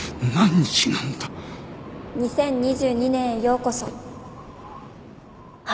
２０２２年へようこそ。